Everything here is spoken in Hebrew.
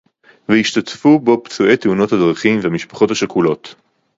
וישתתפו בו פצועי תאונות הדרכים והמשפחות השכולות